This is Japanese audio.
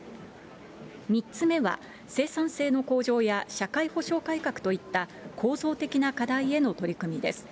３つ目は、生産性の向上や社会保障改革といった構造的な課題への取り組みです。